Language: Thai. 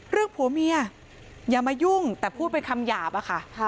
ผัวเมียอย่ามายุ่งแต่พูดเป็นคำหยาบอะค่ะ